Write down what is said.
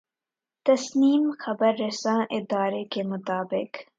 تسنیم خبررساں ادارے کے مطابق